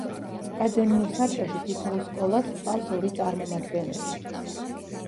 აკადემიურ საბჭოში თითოეულ სკოლას ჰყავს ორი წარმომადგენელი.